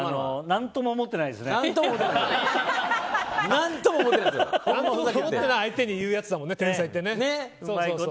何とも思ってない相手に言うやつだもんね、天才って。